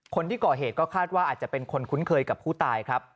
คนที่ก่อเหตุก็คาดว่าอาจจะเป็นคนคุ้นเคยกับผู้ตายครับ